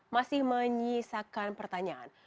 masih menyisakan pertanyaan